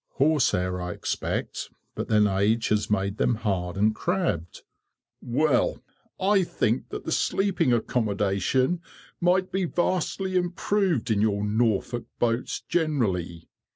"Horse hair, I expect; but then age has made them hard and crabbed." "Well, I think that the sleeping accommodation might be vastly improved in your Norfolk boats generally.